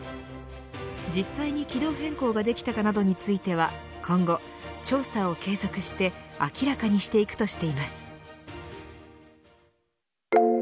実際に軌道変更ができたかなどについては今後、調査を継続して明らかにしていくとしています。